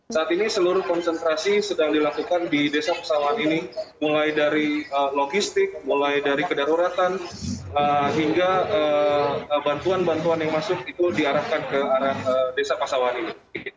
saat ini seluruh konsentrasi sedang dilakukan di desa pesawahan ini mulai dari logistik mulai dari kedaruratan hingga bantuan bantuan yang masuk itu diarahkan ke arah desa pasawahan ini